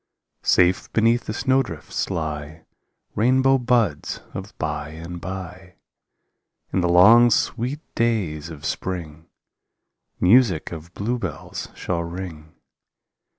^ Safe beneath the snowdrifts lie Rainbow buds of by and by; In the long, sweet days of spring Music of bluebells shall ring.